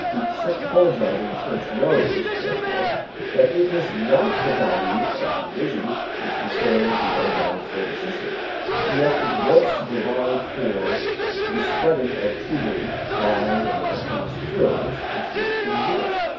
The psychologizing church knows, therefore, that it is not the value of the religion which restores the unbalanced nervous system; and yet it wants to provide for the spreading of true belief by the miraculous cures which it exhibits.